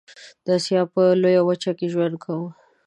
د آسيا په لويه وچه کې ژوند کوم.